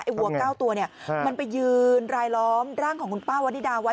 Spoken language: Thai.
วัว๙ตัวเนี่ยมันไปยืนรายล้อมร่างของคุณป้าวันนิดาไว้